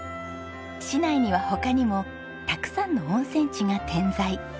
市内には他にもたくさんの温泉地が点在。